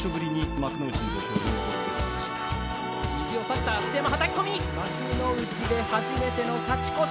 幕内で初めての勝ち越し。